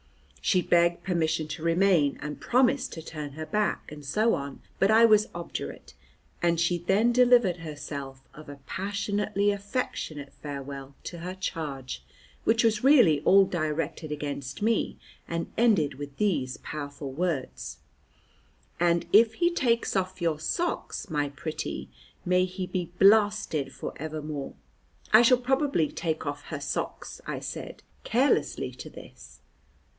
She begged permission to remain, and promised to turn her back, and so on, but I was obdurate, and she then delivered herself of a passionately affectionate farewell to her charge, which was really all directed against me, and ended with these powerful words: "And if he takes off your socks, my pretty, may he be blasted for evermore." "I shall probably take off her socks," I said carelessly to this.